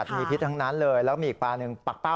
มีพิษทั้งนั้นเลยแล้วมีอีกปลาหนึ่งปักเป้า